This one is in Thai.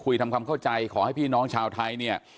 ทำความเข้าใจขอให้พี่น้องชาวไทยเนี่ย